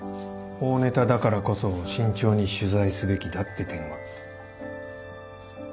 大ネタだからこそ慎重に取材すべきだって点は。